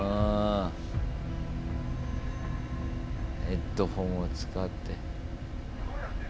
ヘッドホンを使って。